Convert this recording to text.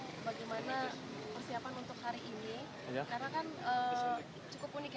kota juga berbeda alurnya berbeda